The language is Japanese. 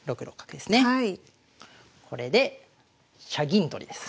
これで車銀取りです。